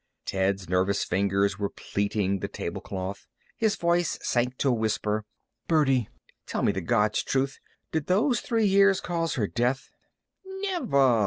Ted's nervous fingers were pleating the tablecloth. His voice sank to a whisper. "Birdie, tell me the God's truth. Did those three years cause her death?" "Niver!"